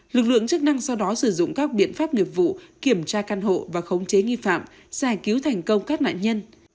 lực lượng chức năng sau đó sử dụng các biện pháp nghiệp vụ kiểm tra căn hộ và khống chế nghi phạm giải cứu thành công các nạn nhân